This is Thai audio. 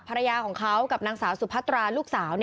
ภรรยาของเขากับนางสาวสุพัตราลูกสาว